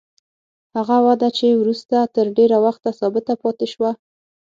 هغه وده چې وروسته تر ډېره وخته ثابته پاتې شوه.